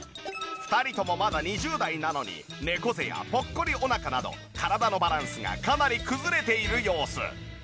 ２人ともまだ２０代なのに猫背やぽっこりお腹など体のバランスがかなり崩れている様子。